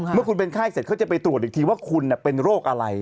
เมื่อคุณเป็นไข้เสร็จเขาจะไปตรวจอีกทีว่าคุณเป็นโรคอะไร